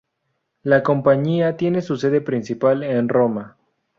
La compañía tiene su sede principal en Roma.